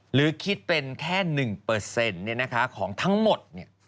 หรือคิดเป็นแค่๑ของทั้งหมด